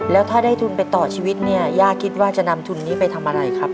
แล้วถ้าได้ทุนไปต่อชีวิตเนี่ยย่าคิดว่าจะนำทุนนี้ไปทำอะไรครับ